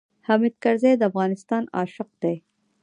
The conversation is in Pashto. حامد کرزی د افغانستان عاشق دی.